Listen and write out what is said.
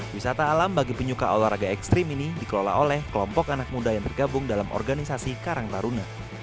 wisata alam bagi penyuka olahraga ekstrim ini dikelola oleh kelompok anak muda yang tergabung dalam organisasi karang taruna